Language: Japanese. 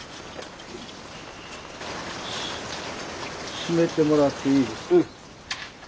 閉めてもらっていいですか。